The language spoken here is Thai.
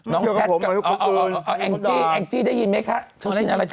น้องแพทก็อ่าแองจี้ได้ยินไหมคะคุณกินอะไรใหญ่เลยอ่ะ